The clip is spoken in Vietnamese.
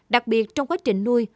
đặc biệt trong quá trình nuôi